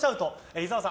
伊沢さん